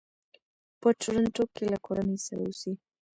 په ټورنټو کې له کورنۍ سره اوسي.